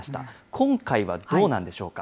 今回はどうなんでしょうか。